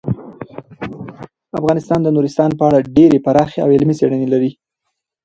افغانستان د نورستان په اړه ډیرې پراخې او علمي څېړنې لري.